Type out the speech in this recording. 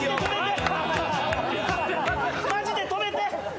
マジで止めて！